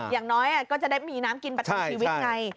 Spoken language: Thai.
อย่างน้อยก็จะได้มีน้ำกินประทังชีวิตไง